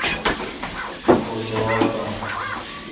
کو جواب داین۔